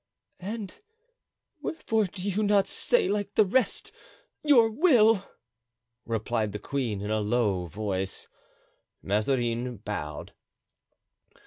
"And wherefore do you not say, like the rest, your will?" replied the queen, in a low voice. Mazarin bowed.